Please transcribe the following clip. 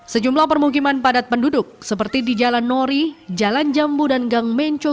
sejumlah permukiman padat penduduk seperti di jalan nori jalan jambu dan gang menco